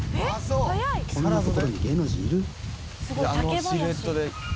あのシルエットで。